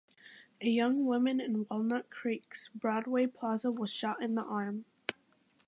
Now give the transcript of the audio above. A young woman in Walnut Creek’s Broadway Plaza was shot in the arm.